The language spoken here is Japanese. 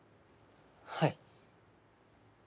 はい。